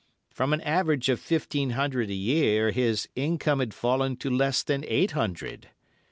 From an average of fifteen hundred a year his income had fallen to less than eight hundred.